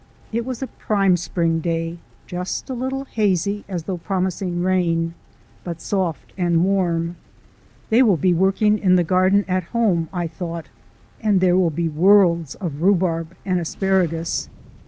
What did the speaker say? It was a prime spring day, just a little hazy, as though promising rain, but soft and warm. "They will be working in the garden at home," I thought, "and there will be worlds of rhubarb and asparagus."